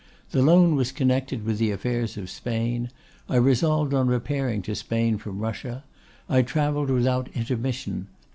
The loan was connected with the affairs of Spain; I resolved on repairing to Spain from Russia. I travelled without intermission.